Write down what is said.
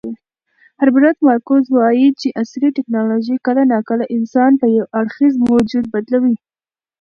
هربرت مارکوز وایي چې عصري ټیکنالوژي کله ناکله انسان په یو اړخیز موجود بدلوي.